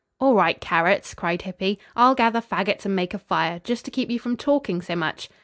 "All right, Carrots," cried Hippy. "I'll gather fagots and make a fire, just to keep you from talking so much."